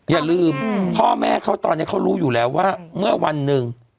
อย่าลืมพ่อแม่เขาตอนนี้เขารู้อยู่แล้วว่าเมื่อวันหนึ่ง